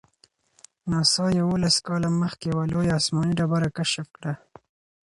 ناسا یوولس کاله مخکې یوه لویه آسماني ډبره کشف کړه.